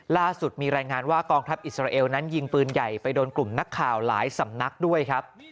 ล่าสุดมีรายงานว่ากองทัพอิสราเอลนั้นยิงปืนใหญ่ไปโดนกลุ่มนักข่าวหลายสำนักด้วยครับ